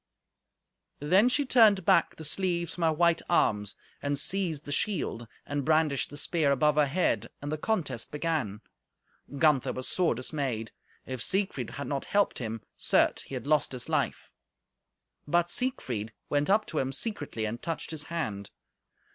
Then she turned back the sleeves from her white arms, and seized the shield, and brandished the spear above her head, and the contest began. Gunther was sore dismayed. If Siegfried had not helped him, certes he had lost his life; but Siegfried went up to him secretly, and touched his hand.